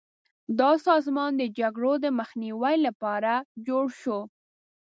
دا سازمان د جګړو د مخنیوي لپاره جوړ شو.